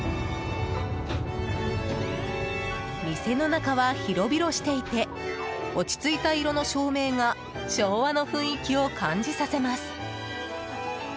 店の中は広々していて落ち着いた色の照明が昭和の雰囲気を感じさせます。